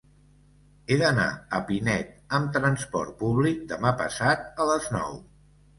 He d'anar a Pinet amb transport públic demà passat a les nou.